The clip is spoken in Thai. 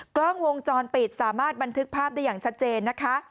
กล้องวงจรปิดสามารถบันทึกภาพได้อย่างชัดเจนนะคะ